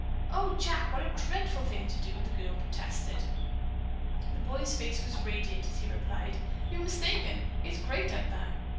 "Oh, Jack, what a dreadful thing to do!" the girl protested. The boy's face was radiant as he replied: "You are mistaken. It's great out there!"